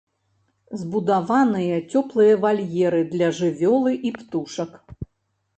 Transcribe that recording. Збудаваныя цёплыя вальеры для жывёлы і птушак.